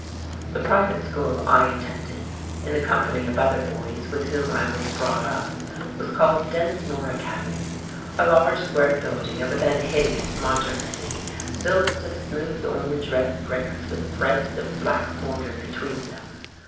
The private school I attended in the company of other boys with whom I was brought up was called Densmore Academy, a large, square building of a then hideous modernity, built of smooth, orange red bricks with threads of black mortar between them.